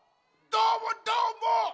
どーもどーも！